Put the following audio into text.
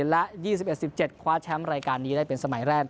และ๒๑๑๗คว้าแชมป์รายการนี้ได้เป็นสมัยแรก